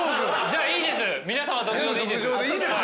じゃあいいです。